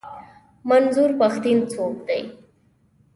منظور پښتين څوک دی؟